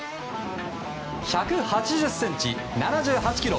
１８０ｃｍ、７８ｋｇ